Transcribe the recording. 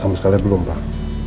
sama sekali belum pak